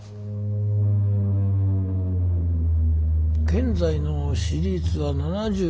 現在の支持率は７２％か。